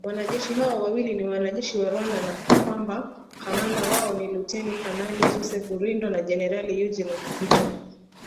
Wanajeshi hao wawili ni wanajeshi wa Rwanda na kwamba kamanda wao ni Luteni Kananli Joseph Rurindo na Jenerali Eugene Nkubito